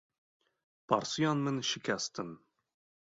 Parsûyên min şikestin.